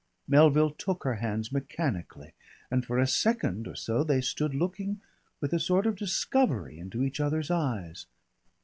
Melville took her hands mechanically, and for a second or so they stood looking with a sort of discovery into each other's eyes.